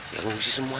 yang mengusi semua mas